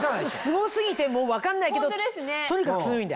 すご過ぎて分かんないけどとにかく多いんだ。